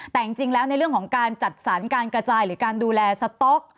แต่จริงแล้วในเรื่องของการจัดสรรการกระจายหรือการดูแลสต๊อก